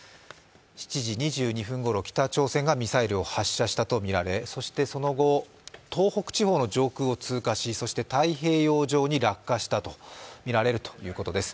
７時２２分ごろ北朝鮮がミサイルを発射したとみられそしてその後、東北地方の上空を通過しそして太平洋上に落下したとみられるということです。